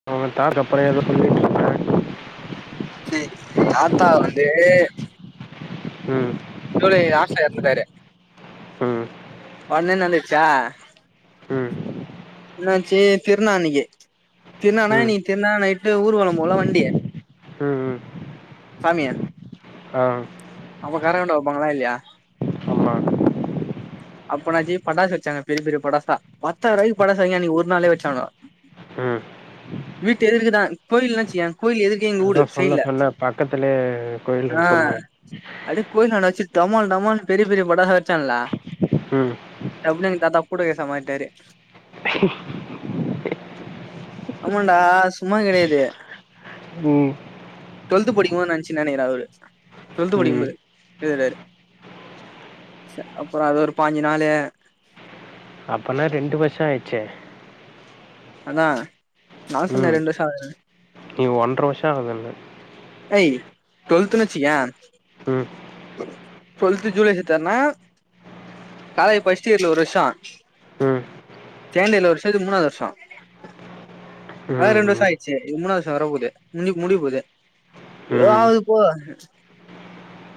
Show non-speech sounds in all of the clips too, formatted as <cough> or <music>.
<inaudible> தாத்தா வந்து ம் இங்க ஒரு ஆசா இறந்துட்டாரு ம் ஒன்னுனு வந்துச்சா ம் என்னாச்சு திருனா அன்னைக்கு திருனான ம் இன்னைக்கு திருனா நைட்டு ஊர்வலோ போல வண்டி ம் ம் சாமிய ஆ அப்ப கர காட்டோ வெப்பாங்களா இல்லியா ஆமா அப்பனா ஜீ பட்டாசு வெச்சாங்க பெரிய பெரிய பட்டாசா பத்தாயிற ரூவாய்க்கு பட்டாசு வாங்கி அன்னிக்கு ஒரு நாள்ளே வெடிச்சாங்கோ ம் வீட்டு எதுர்க்கதா கோயில்ன்னாச்சு கோயில் எதிர் அதா சொன்ன சொன்ன பக்கத்துலே கோயில் இருக்குனு சொன்ன கோயில்லான்ட வெச்சு டமால் டமால்னு பெரிய பெரிய பட்டாசா வெட்ச்சல்ல ம் டப்னு எங்க தாத்தா பூட்ட கேசா மாரிட்டாரு ஆமாண்டா சும்மா கெடயாது ம் டுவெல்த்து படிக்கும்போது நடஞ்சுனு நெனைக்கிறே அவரு டுவெல்த்து ம் படிக்கும்போது <unintelligible> அப்றோ அது ஒரு பாஞ்சு நாளு அப்பனா ரெண்டு வருஷோ ஆயிடுச்சே அதா நா சொன்னே ம் ரெண்டு வருஷோ ஆகுதுன்னு நீ ஒன்றரை வருஷோ ஆகுதுன ஏய் டுவல்த்துனு வெச்சுக்கேயே ம் டுவெல்த் ஜூலை செத்தாருனா காலேஜ் ஃபர்ஸ்ட் இயர்ல ஒரு வருஷோ ம் செக்கேண்டு இயர்ல ஒரு வருஷோ இது மூணாவது வருஷோ அதா ம் ரெண்டு வருஷோ ம் ஆயிச்சே மூணாவது வருஷோ வர போது இன்னிக்கு முடிய போது ம் எதாவது போ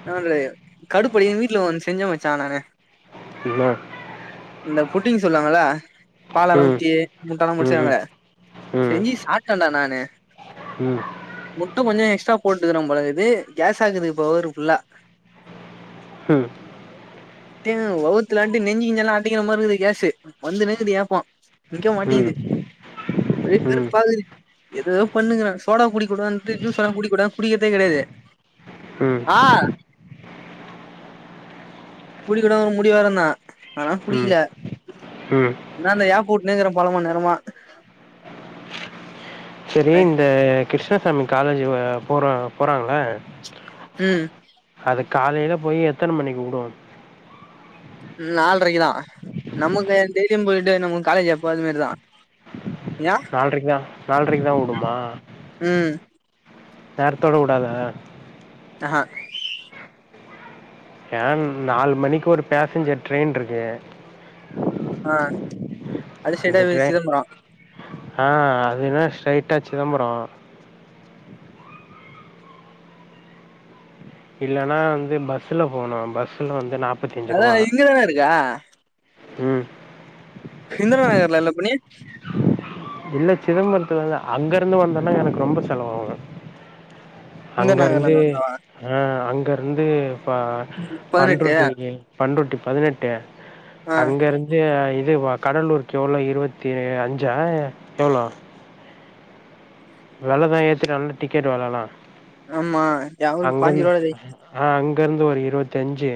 நானு கடுப்பாகி வீட்ல ஒன்னு செஞ்ச மச்சா நானு என்னா இந்த புட்டிங் சொல்லுவாங்களா பாலெல்லா ம் ஊத்தி முட்டலா போட்டு ம் ம் செய்வாங்களே ம் ம் செஞ்சு சாப்ட்டேன்டா நானு ம் முட்ட கொஞ்ச எக்ஸ்ட்ரா போட்டுகிறோம் போல இகுது கேசாகுது இப்ப வவுரு ஃபுல்லா ம் டே வவுத்துலான்டி நெஞ்சு கிஞ்சல்லா அடைக்கிற மாரி இருக்குது கேசு வந்துனே இகுது ஏப்போ நிக்க மாட்டேங்கிது ம் ஒரே ம் வெறுப்பா இகுது எதோ பண்ணுங்கிற சோடாப் பொடி குட்றான் இது ஜூசலா குடிக்க கூடாதுன் குடிக்கர்தே கெடையாது ஆ குடிக்க கூடாதுனு ஒரு முடிவா இருந்தே ஆனா குடிகில ம் ம் அதா அந்த ஏப்ப வுட்னே இகறே பல மண் நேரமா செரி இந்த கிருஷ்ணசாமி காலேஜி வே போறோ போறாங்கள ம் அது காலைல போயி எத்தன மணிக்கு வுடு நால்ரைக்குதா நமக்கு டெய்லியும் போயிட்டு நமக்கு காலேஜூ எப்போதும் மேரிதா நால்ரைக்குதா நால்ரைக்குதா வுடுமா ம் நேரத்தோட வுடாத அஹ ஏன் நால் மணிக்கு ஒரு பேசஞ்சர் ட்ரெயின்ட்ருக்கு அ அந்த ட்ரை ஆ அதுனா ஸ்ட்ரைட்டா சிதம்பரோ இல்லனா வந்து பஸ்சுல போணு பஸ்சுல வந்து நாப்பத்தி அதா அஞ்சுருவா இங்கதான இருக்கா ம் இந்திரா நகர்ல இல்ல இப்ப நீ இல்ல சிதம்பரத்தலந்து அங்கருந்து வந்தனா எனக்கு ரொம்ப செலவாவு இந்திரா நகர்ல அங்கருந்து இருந்து வந்தவா அ அங்கருந்து ப பதினெட்டு பன்ருட்டி பன்ருட்டி பதினெட்டு ஆ அங்கருந்து இது கடலூருக்கு எவ்ளோ இருவத்தி அஞ்சா எவ்ளோ வெலதா ஏத்திட்டா இல்ல டிக்கெட் வெலலா ஆம்மா அங்கந்து ஆ அங்கருந்து ஒரு இருவத்தி அஞ்சி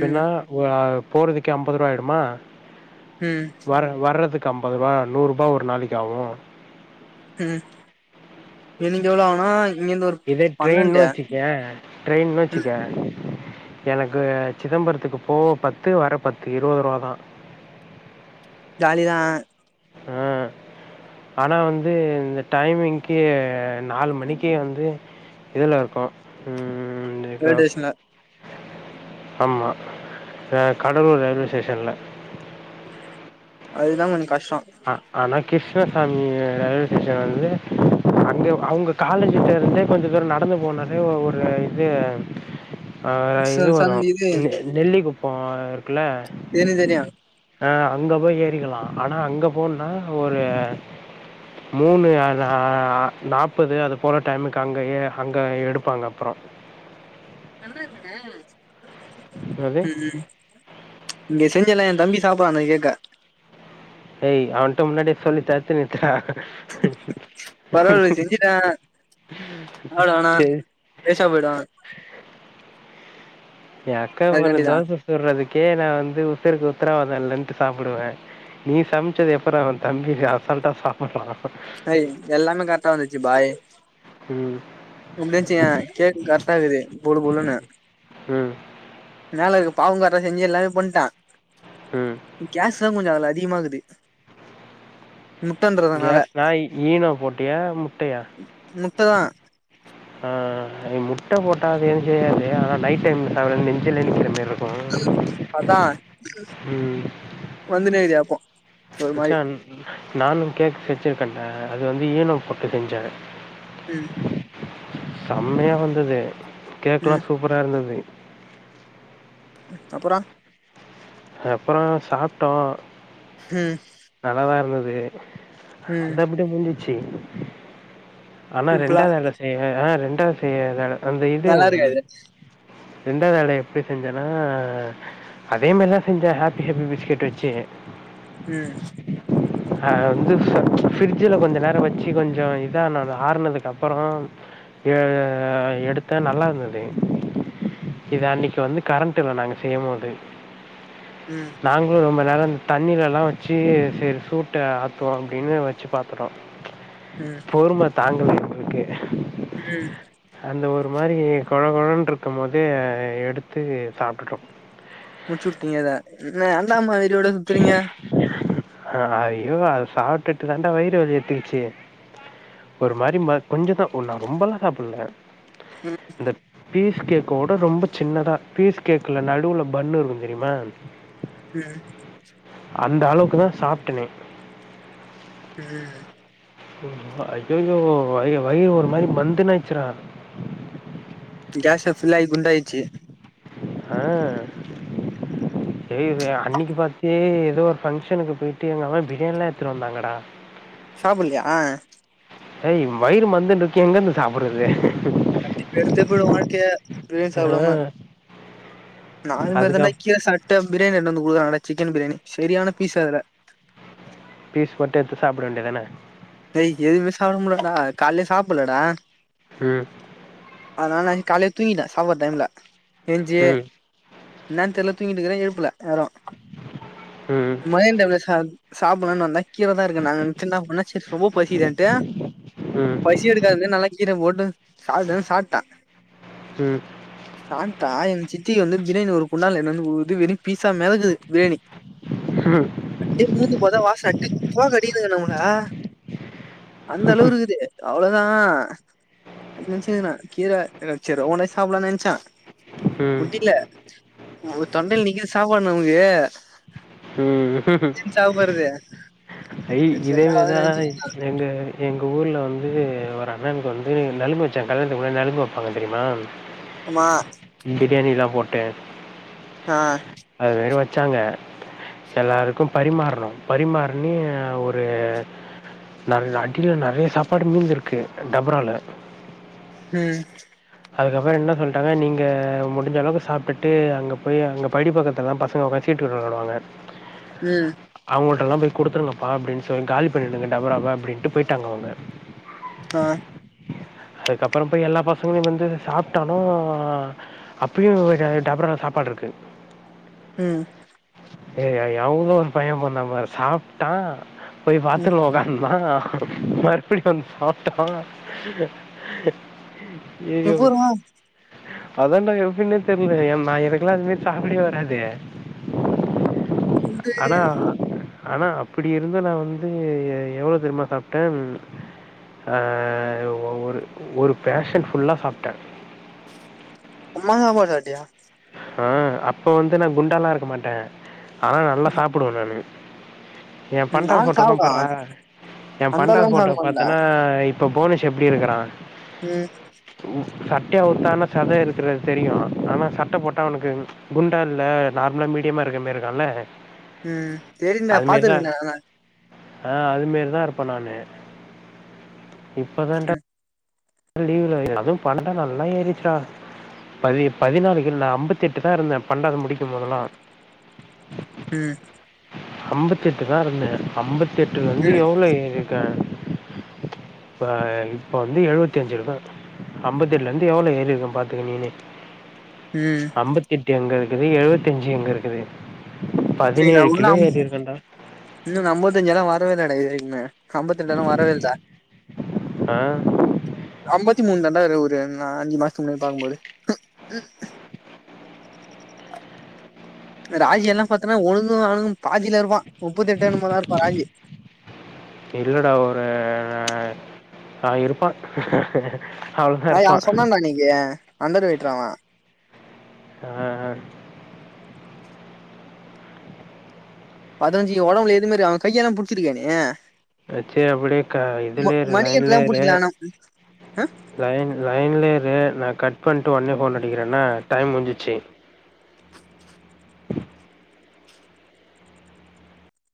ம் ஒ ஆ போறதுக்கே ஐம்பதுருவா ஆய்டுமா ம் வர வரதுக்கு ஐம்பதுருவா நூறுபா ஒரு நாளைக்கு ஆவும் ம் எனுகி எவ்ளோ ஆவுனா இங்கிந்து ஒரு இதே ட்ரெயின்னு பன்னெண்டு வச்சுகியே ட்ரெயின்னு வச்சுகே எனக்கு சிதம்பரத்துக்கு போவ பத்து வரப் பத்து இருவதுருவாதா ஜாலிதா அ ஆனா வந்து இந்த டைமிங்க்கே நாலு மணிக்கி வந்து இதுல இருக்கோ ம் வந்து ரயில்வே நிசப் ஸ்டேஷன்ல அம்மா த கடலூர் ரயில்வே ஸ்டேஷன்ல அதுதா கொஞ்ச கஷ்டோ அ ஆனா கிருஷ்ணசாமி ரயில்வே ஸ்டேஷன் வந்து அங்கே அவுங்க காலேஜிட்டே இருந்தே கொஞ்ச தூர நடந்து போனாலே ஒ ஒரு இது அ ச இது வரு சன் இது நெ நெல்லி குப்போ இருக்குல எனக்கு தெரியு ஆ அங்க போய் ஏறிக்கிலா ஆனா அங்க போன்னா ஒரு மூணு அதா நாப்பது அது போல டைமுக்கு அங்கயே அங்க எடுப்பாங்க அப்றோ ம் என்னது? ம் இங்க செஞ்சல என் தம்பி சம்ப்பா அந்த கேட்ட டேய் அவன்ட்ட முன்னாடியே சொல்லி தட்த்து நிறுத்துடா பரவால செஞ்சுட்டே அவளதானா சரி பேசா போய்டுவாங்க என் அக்கா பொண்ணு அதுக்காண்டிதா தோச சுடுறதுக்கே நா வந்து உசுருக்கு உத்தராவாத இல்லன்ட்டு சாப்புடுவே நீ சம்ச்சத எப்புறா உன் தம்பி அசால்ட்டா சாப்புடுறா அய் எல்லாமே கர்ட்டா வந்துச்சு பாய் ம் முந்தெச்சுங்க கேக் கர்ட்டா இருக்குது பொழு பொழுன்னு ம் மேலர்க்கு பாவு காட்ரா செஞ்சு எல்லாமே பண்ட்டான் ம் கேஸ் தா கொஞ்சு அதுல அதிகுமா ஆகுது முட்டந்துரு கேஸ்னா ஈனோ போட்டியா முட்டயா முட்டதா ஆ அது முட்ட போட்டா அது எது செய்யாது ஆனா நைட் டைம்ல சாப்புறது நெஞ்சிலே நிக்கிற மாரிருக்கு அதா வந்துட்டே இருக்குது ஏப்போ மச்சான் நானு கேக் செச்சிருக்கன்டா அது வந்து ஈனோ போட்டு செஞ்ச ம் சம்மியா வந்தது கேக்லா ம் சூப்புரா இருந்தது அப்புறோ அப்புறோ சாப்ட்டோ ம் நல்லாதா இருந்தது ம் அது அப்டி முஞ்சிச்சு ஆனா சிம்பிளா ரெண்டா வேல செய்வ ஆ ரெண்டாது செய்யாதால அந்த இது நல்லா இருக்காது ரெண்டாதவ்ட எப்டி செஞ்சனா அதே மாரிதா செஞ்ச ஹாப்பி ஹாப்பி பிஸ்கட் வச்சு ம் அ வந்து ஃப் ஃபிருட்ஜில கொஞ்ச நேரோ வச்சி கொஞ்சோ இதா ஆனாதா ஆர்னதுக்கப்புறோ ஏ எடுத்தா நல்லா இருந்தது இது அன்னைக்கு வந்து கரண்ட் இல்ல நாங்க செய்யமோது ம் நாங்ளு ரொம்ப நேரோ தண்ணிலலா வச்சு செர் சூட்ட ஆத்துவோ அப்டின்னு வச்சு பாத்துறோ ம் பொறும தாங்கல எங்களுக்கு ம் அந்த ஒரு மாரி கொழகொழன்ட்ருக்குமோதே எடுத்து சாப்ட்டுட்டோ முட்ச்வுட்டீங்க அத இன்ன அன்னா மாரி இதுவிட சுத்துரீங்க அ ஐயோ அத சாப்ட்டுட்டுதான்டா வயிறு வலி எட்த்துகுச்சி ஒரு மாரி மா கொஞ்சதோ ஓ நா ரொம்பலா சாப்புல இந்த பீஸ் கேக்கோட ரொம்ப சின்னதா பீஸ் கேக்ல நடுவ்ல பன்னு இருக்கு தெரிமா ம் அந்தளவுக்கு தா சாப்டே ம் அய்யயோ வய வயிறு ஒரு மாரி மந்துன்னு ஆயிட்சி டா கேசு ஃபில் ஆய் குண்டாயிடுச்சு ஆ தெரியுதே அன்னிக்கி பாத்தே ஏதோ ஒரு ஃபங்க்ஷனுக்கு போயிட்டு எங்க அம்மா பிரியாணிலா எடுத்துட்டு வந்தாங்கடா சாப்புட்லயா ஏய் வயிறு மந்துன்ருக்கு எங்க இருந்து சாப்புறது கத்தி பேசிட்டே போய்டுவோ வாழ்க்கையே பிரியாணி ஆ சாப்டாமா நானு அந்த மாரிதான்டா அதுக்கப் கீர சாப் டு பிரியாணி எத்துனு வந்து கூடுகுறாங்க சிக்கன் பிரியாணி சரியான பீஸ் அதுல பீஸ் போட்டு எத்து சாப்ட வேண்டியதான டேய் எதுவுமே சாப்பட முல்லடா காலயே சாப்பலடா ம் அதனால நா கால்லயே தூங்கிடே சாப்பற டைம்முல எழுஞ்சி ம் என்னன்னு தெர்ல தூங்கிடிருக்குறே எழுப்புல யாரு ம் மத்தியனோ டைம்ல சாப் சாப்பலான்னு வந்தா கீர தா இருக்குனாங்க சி என்ன பண்ண செரி ரொம்ப பசிக்கிதேன்டு ம் பசி எடுக்காது நல்லா கீர போட்டு சாப்டுனு சாப்டே ம் சாண்டா எங்க சித்திக்கு வந்து பிரியாணி ஒரு குண்டாள்ல எதுன்னு வந்து குடுக்குது வெறு பீஸா குது பிரியாணி ம் அதேமாரி போத வாச அட்டு போகடிகுது நம்மள அந்தளவுக்கு இருக்குது அவ்ளோதா அது நெனச்சதுன்னா கீர செரி உன சாப்பலாம்னு நெனைச்சா முடில ஆ தொண்டைல நிக்கிது சாப்பாடு நமக்கு ம் சாப்புறது ஐ சரி செட் இதேமாரி ஆகாதுனு தா நெனச்சுட்டு எங்க எங்க ஊர்ல வந்து ஒரு அண்ணனுக்கு வந்து நலுங்கு வெச்சாங்க கல்யாணத்துக்கு முன்னாடி நலுங்கு வப்பாங்க தெரியுமா <inaudible> ஆமா பிரியாணிலா போட்டே ஆ அதுவே வச்சாங்க எல்லாருக்கு பரிமாறணு பரிமாறினி ஒரு நல் நெறைய அடியில நெறைய சாப்பாடு மீந்திருக்கு டபரால ம் அதுக்கப்புற என்ன சொல்ட்டாங்க நீங்க முடிஞ்சளவுக்கு சாப்ட்டுட்டு அங்க போய் அங்க படி பக்கத்துல தா பசங்க உக்க சீட்டு வெளாடுவாங்க ம் அவங்கள்டல்லா போய் குடுத்துடுங்கப்பா அப்டின்னு சொல்லி காலி பண்ணிடுங்க டபராவ அப்படின்ட்டு போயிட்டாங்க அவங்க ஆ அதுக்கப்புற போய் எல்லா பசங்களையு வந்து சாப்டானா அப்பயு அ டபரால சாப்பாடு இருக்கு ம் யய்யா எவ்ளோ ஒரு பைய பண்ணாம சாப்ட்டா போய் ம் பாத்ரூம்ல உக்காந்து வான மறுபடியு வந்து சாப்ட்டா ஐய்யயோ எப்பர்றா அதாண்டா எப்பின்னே தெர்ல எ நா எனக்குலா அத்மாறி சாப்பிடவே வராது ஆனா ஆனா இப்பிடி இருந்து நா வந்து எ எவ்ளோ தெரிமா சாப்ட்ட ம் ஆ ஒ ஒ ஒரு ஒரு பேஷன் ஃபுல்லா சாப்ட்டே அம்மா சாப்பாட் சாப்ட்டியா ஆ அப்போ வந்து நா குண்டாலா இருக்க மாட்டே ஆனா நல்லா சாப்பிடுவே நானு எ ம் நா பண்டாவ்து ஃபோட்டோல்லா சாப்டுவே பார்ரா எ அந்த பண்டாவ்த் அளவுலா சாப்ட ஃபோட்டோ மாட்டே பாத்தனா இப்போ புவனேஷ் எப்டி இருக்கிறா ம் சட்டய அவுத்தானா சத இருக்கிறது தெரியு ஆனா ச ட்ட போட்டா அவுனுக்கு ம் குண்டா இல்ல நார்மலா மீடியமா இருக்க மாருக்கான்ல ம் தெரின்டா பாத்துற்க்றனே நான் தா ஆ அது மாரிதா இருப்பே நானு இப்பதான்டா லீவுல அதுவு பண்டா நல்லா ஏறிற்ச்டா பதி பதினாலு கில் அம்பத்தி எட்டு தா இருந்தே பண்டாவ்து முடிக்குமோதெல்லா ம் அம்பத்தெட்டுதா இருந்தே அம்பத்தி எட்டுல இருந்து ம் எவ்ளோ ஏறி ட்ட இப்ப இப்ப வந்து எழுவத் தி அஞ்சுருக்க அம்பத்தெட்லேந்து எவ்ளோ ஏறி இருக்கே பாத்துக்க நீனே ம் அம்பத்தெட்டு எங்க இருக்குது எழுவத்தஞ்சு எங்க இருக்குது சேரி நா கிலோ உள்ளாம் ஏறியிருக்கேன்டா. இன்னு நா அம்பத்தஞ்செல்லா வரவேல்லடா இது வெரிக்குமே அம்பத்தஞ்செல்லா வரவேல்ல ஆ அம்பத்தி மூண் தாண்டா இரு ஒரு அ அஞ்சு மாஸ்த்து முன்னாடி பாக்கும்போது அ க் ராஜி எல்லா பாத்தனா உனுக்கு அவுனுக்கு பாதில இருப்பா முப்பத்தெட்டு என்னமோ தா இருப்பா ராஜி இல்லடா ஒரு அ அவ இருப்பா அய் அவ சொன்னான்டா அன்னிக்கி அண்டர் வெய்ட்றா அவ அ அ பதினஞ்சு உடம்புல எதுமே இரு அவ கையெல்லா புட்ச்சிருக்கியா நீ மச்சி அப்புடே க இதுல்யே இரு மணிகண்ட லைன்லே தான் இரு புடிக்கல ஆனா லைன் லைன்லே இரு நா கட் பண்ட்டு ஒட்னே ஃபோன் அடிக்கிறேன்னா டைம் முஞ்சிச்சு